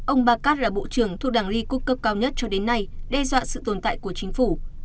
ông bakat là bộ trưởng thuộc đảng ly quốc cấp cao nhất cho đến nay đe dọa sự tồn tại của chính phủ